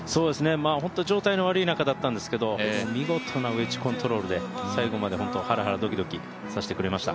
本当に状態の悪い中だったんですけれども、見事なウェッジコントロールで最後まで本当にハラハラドキドキさせてくれました。